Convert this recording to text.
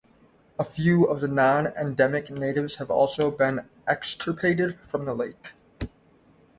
A few of the non-endemic natives have also been extirpated from the lake.